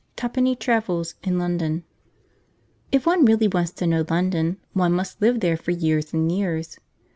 Tuppenny travels in London. If one really wants to know London, one must live there for years and years.